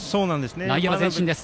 内野は前進です。